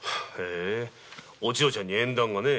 おちよちゃんに縁談が。